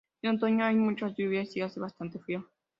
En otoño hay muchas lluvias y hace bastante frío.